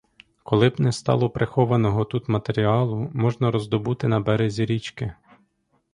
Коли б не стало прихованого тут матеріалу, можна роздобути на березі річки.